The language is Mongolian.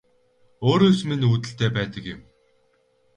Өөрөөс минь үүдэлтэй байдаг юм